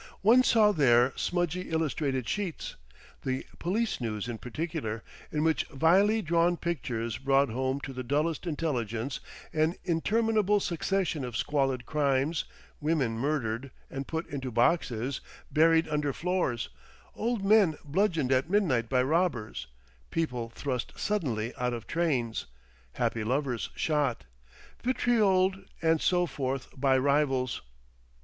One saw there smudgy illustrated sheets, the Police News in particular, in which vilely drawn pictures brought home to the dullest intelligence an interminable succession of squalid crimes, women murdered and put into boxes, buried under floors, old men bludgeoned at midnight by robbers, people thrust suddenly out of trains, happy lovers shot, vitrioled and so forth by rivals.